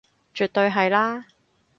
絕對係啦